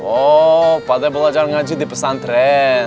oh pada belajar ngaji di pesantren